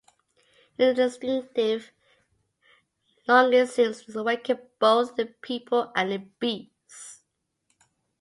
An instinctive longing seems to awaken both in the people and the beasts.